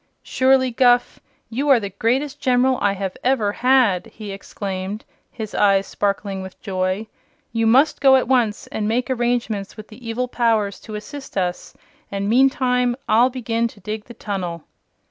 "Surely, Guph, you are the greatest General I have ever had!" he exclaimed, his eyes sparkling with joy. "You must go at once and make arrangements with the evil powers to assist us, and meantime I'll begin to dig the tunnel."